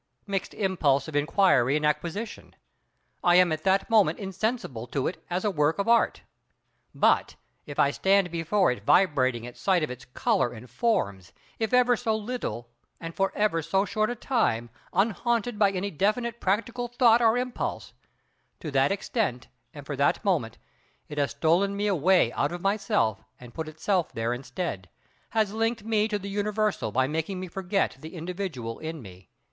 Mixed impulse of inquiry and acquisition—I am at that moment insensible to it as a work of Art. But, if I stand before it vibrating at sight of its colour and forms, if ever so little and for ever so short a time, unhaunted by any definite practical thought or impulse—to that extent and for that moment it has stolen me away out of myself and put itself there instead; has linked me to the universal by making me forget the individual in me.